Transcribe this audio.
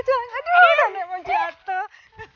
aduh anak anak mau jatuh